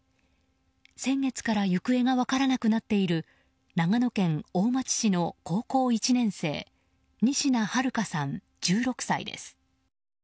先月から行方が分からなくなっている長野県大町市の高校１年生仁科日花さん、１６歳です。